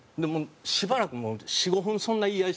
しばらくもう４５分そんな言い合いしてて。